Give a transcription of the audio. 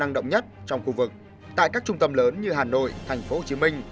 năng động nhất trong khu vực tại các trung tâm lớn như hà nội thành phố hồ chí minh